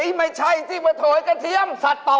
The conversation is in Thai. เอ๊ะไม่ใช่ที่มาโถยกระเทียมสัตว์